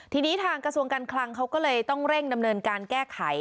ทีนี้ทางกระทรวงการคลังเขาก็เลยต้องเร่งดำเนินการแก้ไข